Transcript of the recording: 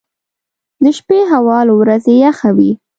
• د شپې هوا له ورځې یخه وي.